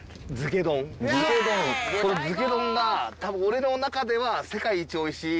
この漬け丼が多分俺の中では世界一美味しいＴＫＧ。